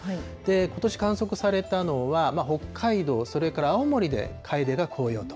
ことし観測されたのは、北海道、それから青森でカエデが紅葉と。